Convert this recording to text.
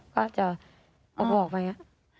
ก็จะบอกไปอย่างนี้